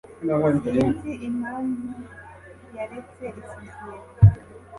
Sinzi impamvu yaretse isosiyete